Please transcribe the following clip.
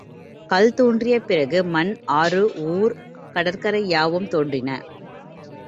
கல் தோன்றிய பிறகே மண், ஆறு, ஊர், கடற்கரை யாவும் தோன்றின.